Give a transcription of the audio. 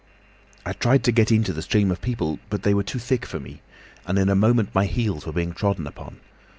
"I tried to get into the stream of people, but they were too thick for me, and in a moment my heels were being trodden upon.